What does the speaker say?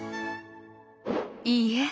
いいえ。